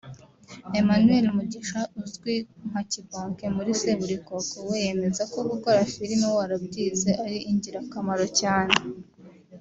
Emmanuel Mugisha uzwi nka Kibonge muri Seburikoko we yemeza ko gukora filime warabyize ari ingirakamaro cyane